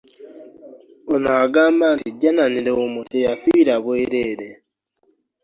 Ono agambye nti Janan Luwum teyafiira bwereere